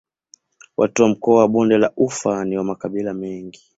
Watu wa mkoa wa Bonde la Ufa ni wa makabila mengi.